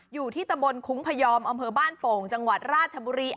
อยู่ที่ตำบลคุ้งพยอมอำเภอบ้านโป่งจังหวัดราชบุรี